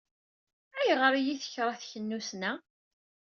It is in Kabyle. Ayɣer ay iyi-tekṛeh teknussna?